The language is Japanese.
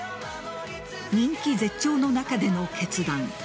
人気絶頂の中での決断。